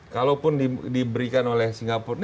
kalaupun diberikan oleh singapura